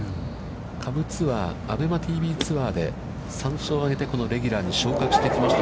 下部ツアー、アベマＴＶツアーで３勝を挙げて、レギュラーに昇格してきました。